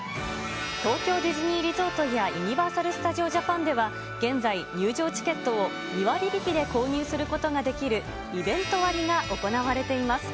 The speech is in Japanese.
東京ディズニーリゾートやユニバーサル・スタジオ・ジャパンでは現在、入場チケットを２割引きで購入することができるイベント割が行われています。